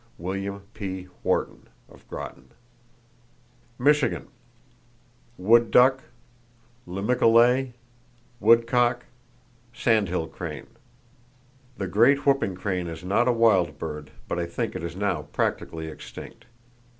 —(William P. Wharton, Groton.) Michigan: Wood duck, limicolae, woodcock, sandhill crane. The great whooping crane is not a wild bird, but I think it is now practically extinct.